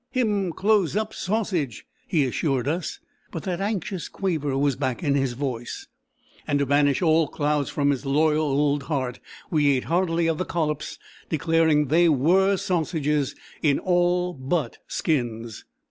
"Him close up sausage!" he assured us, but that anxious quaver was back in his voice, and to banish all clouds from his loyal old heart, we ate heartily of the collops, declaring they were sausages in all BUT skins.